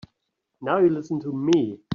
Now you listen to me.